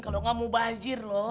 kalo enggak mau bazir loh